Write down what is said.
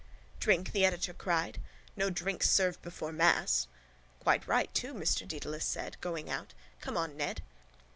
—Drink! the editor cried. No drinks served before mass. —Quite right too, Mr Dedalus said, going out. Come on, Ned.